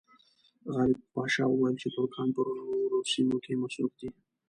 غالب پاشا وویل چې ترکان په نورو سیمو کې مصروف دي.